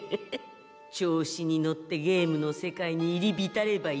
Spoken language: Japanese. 調子に乗ってゲームの世界に入りびたればいいさ。